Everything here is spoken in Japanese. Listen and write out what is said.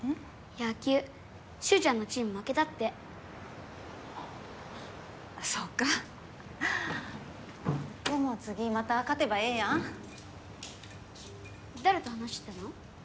野球脩ちゃんのチーム負けたってそうかでも次また勝てばええやん誰と話してたの？